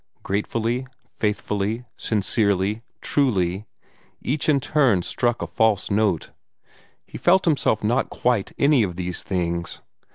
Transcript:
"Gratefully," "faithfully," "sincerely," "truly" each in turn struck a false note. He felt himself not quite any of these things.